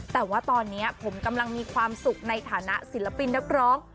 แต่ว่าตอนนี้ผมกำลังมีความสุขในฐานะศิลปินนักร้อง